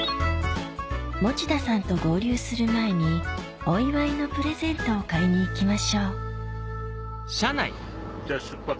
持田さんと合流する前にお祝いのプレゼントを買いに行きましょうじゃあ出発。